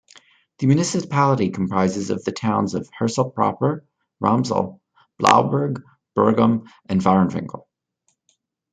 The municipality comprises the towns of Herselt proper, Ramsel, Blauberg, Bergom and Varenwinkel.